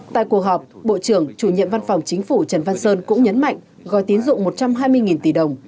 tại cuộc họp bộ trưởng chủ nhiệm văn phòng chính phủ trần văn sơn cũng nhấn mạnh gói tín dụng một trăm hai mươi tỷ đồng